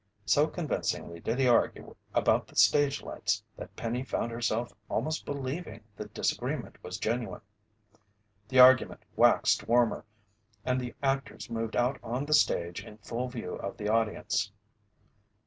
So convincingly did he argue about the stage lights that Penny found herself almost believing the disagreement was genuine. The argument waxed warmer, and the actors moved out on the stage in full view of the audience.